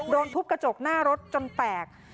ทุบกระจกหน้ารถจนแตก